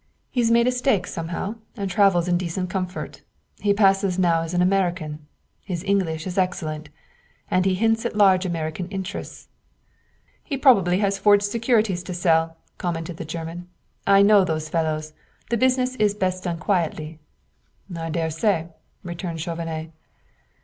He's made a stake somehow, and travels about in decent comfort. He passes now as an American his English is excellent and he hints at large American interests." "He probably has forged securities to sell," commented the German. "I know those fellows. The business is best done quietly." "I dare say," returned Chauvenet.